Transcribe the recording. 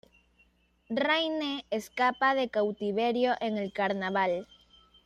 Rayne escapa de cautiverio en el carnaval.